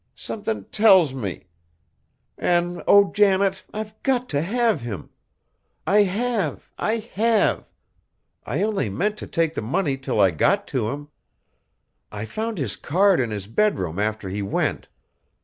Somethin' tells me. An' oh! Janet, I've got t' have him! I have, I have! I only meant t' take the money till I got to him. I found his card in his bedroom after he went.